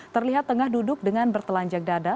terlihat tengah duduk dengan bertelanjang dada